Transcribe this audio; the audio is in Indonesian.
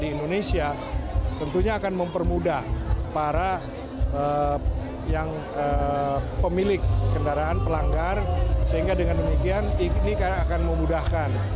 di indonesia tentunya akan mempermudah para pemilik kendaraan pelanggar sehingga dengan demikian ini akan memudahkan